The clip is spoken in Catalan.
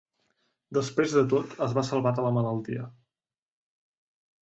Després de tot, es va salvar de la malaltia.